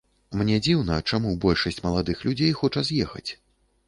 Мне дзіўна, чаму большасць маладых людзей хоча з'ехаць.